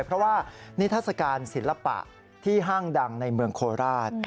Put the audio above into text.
เพราะว่านิทัศกาลศิลปะที่ห้างดังในเมืองโคราช